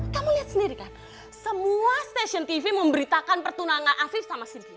kamu lihat sendiri kan semua stasiun tv memberitakan pertunangan afif sama si dia